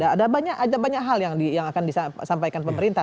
ada banyak hal yang akan disampaikan pemerintah